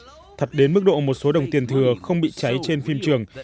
chúng trông rất thật thật đến mức độ một số đồng tiền thừa không bị cháy trên phim trường